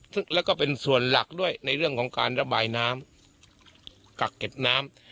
ซึ่งแล้วก็เป็นส่วนหลักด้วยในเรื่องของการระบายน้ำกักเก็บน้ำ